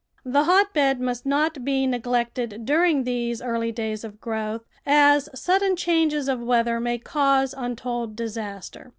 The hotbed must not be neglected during these early days of growth, as sudden changes of weather may cause untold disaster.